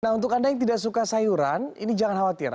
nah untuk anda yang tidak suka sayuran ini jangan khawatir